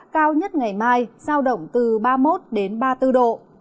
cao nhất ngày mai giao động từ ba mươi một ba mươi bốn độ